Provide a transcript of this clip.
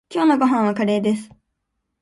今日のご飯はカレーです。